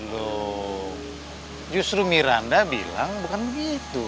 loh justru miranda bilang bukan begitu